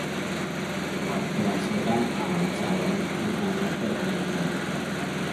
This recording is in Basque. Uharte batzuetan arrantzaleen ur gaineko herriak daude.